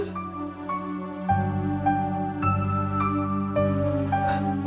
tidak ada apa apa